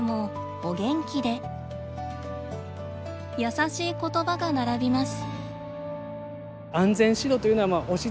優しいことばが並びます。